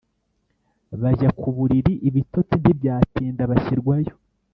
Bajya ku buriri, ibitotsi ntibyatinda, bashyirwayo